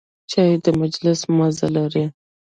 چای د مجلس مزه لري.